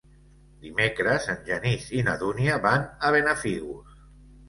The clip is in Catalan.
Dimecres en Genís i na Dúnia van a Benafigos.